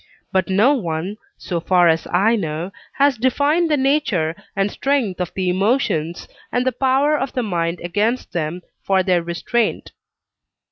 But no one, so far as I know, has defined the nature and strength of the emotions, and the power of the mind against them for their restraint.